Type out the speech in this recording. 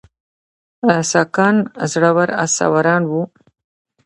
ساکان زړور آس سواران وو